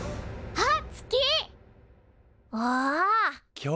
あっ！